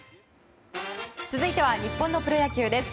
続いては日本のプロ野球です。